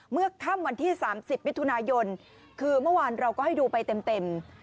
เมื่อค่ำวันที่๓๐มิถุนายนคือเมื่อวานเราก็ให้ดูไปเต็ม